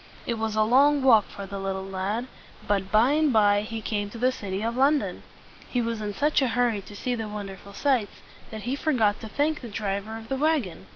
It was a long walk for the little lad; but by and by he came to the city of London. He was in such a hurry to see the wonderful sights, that he forgot to thank the driver of the wagon.